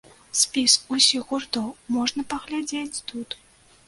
Спіс усіх гуртоў можна паглядзець тут.